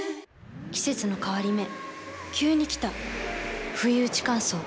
季節の変わり目急に来たふいうち乾燥。